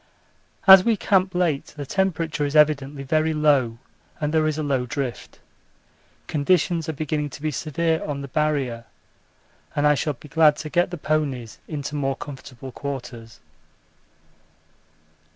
As we camp late the temperature is evidently very low and there is a low drift. Conditions are beginning to be severe on the Barrier and I shall be glad to get the ponies into more comfortable quarters.